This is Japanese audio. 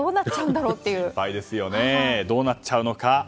どうなっちゃうのか。